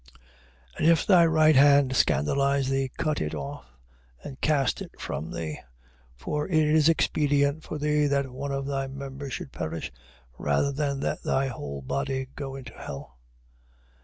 And if thy right hand scandalize thee, cut it off, and cast it from thee: for it is expedient for thee that one of thy members should perish, rather than that thy whole body go into hell.